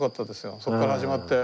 そこから始まって。